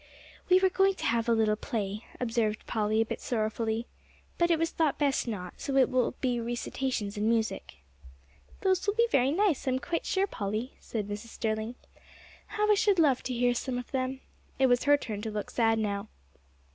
"We were going to have a little play," observed Polly, a bit sorrowfully, "but it was thought best not, so it will be recitations and music." "Those will be very nice, I am quite sure, Polly," said Mrs. Sterling; "how I should love to hear some of them!" It was her turn to look sad now.